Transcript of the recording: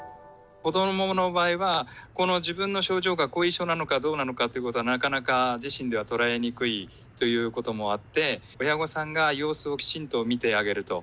子どもの場合は、自分の症状が後遺症なのかどうなのかということが、なかなか自身では捉えにくいということがあって、親御さんが様子をきちんと見てあげると。